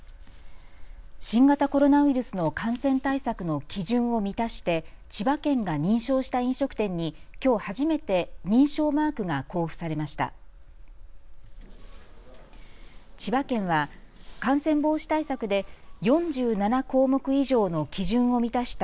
新型コロナウイルスの感染対策の基準を満たして千葉県が認証した飲食店に、きょう初めて認証マークが交付されました。